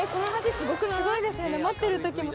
すごいですね。